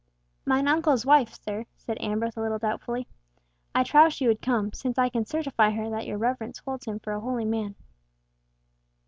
"Mine uncle's wife, sir," said Ambrose, a little doubtfully. "I trow she would come—since I can certify her that your reverence holds him for a holy man."